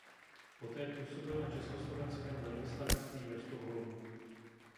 Poté působil na československém velvyslanectví ve Stockholmu.